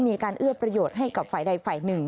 เอื้อประโยชน์ให้กับฝ่ายใดฝ่ายหนึ่ง